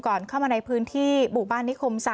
ก่อนเข้ามาในพื้นที่บุบ้านนิคม๓